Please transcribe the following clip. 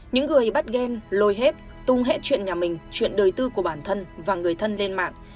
những người bắt ghen lôi hết tung hệ chuyện nhà mình chuyện đời tư của bản thân và người thân lên mạng